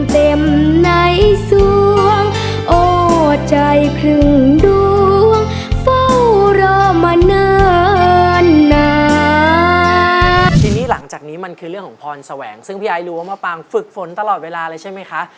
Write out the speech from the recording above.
ทีนี้หลังจากนี้มันคือเรื่องของพรแสวงซึ่งพี่ไอ้รู้ว่ามะปางฝึกฝนตลอดเวลาเลยใช่ไหมคะ